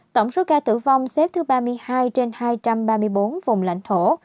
tổng số ca tử vong xếp thứ ba mươi hai trên hai trăm ba mươi bốn vùng lãnh thổ